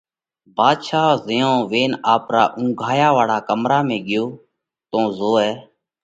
ڀاڌشا زئيون وينَ آپرا اُونگھايا واۯا ڪمرا ۾ ڳيو تو زوئه